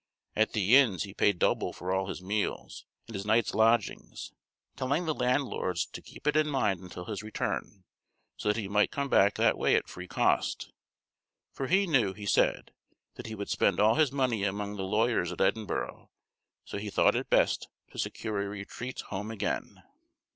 At the inns he paid double for all his meals and his night's lodgings, telling the landlords to keep it in mind until his return, so that he might come back that way at free cost; for he knew, he said, that he would spend all his money among the lawyers at Edinburgh, so he thought it best to secure a retreat home again.